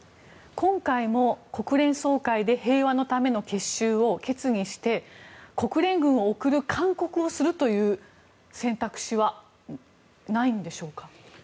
今回も国連総会で「平和のための結集」を決議して国連軍を送る勧告をするという選択肢はないんでしょうか？